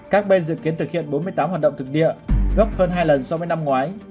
các bên dự kiến thực hiện bốn mươi tám hoạt động thực địa gấp hơn hai lần so với năm ngoái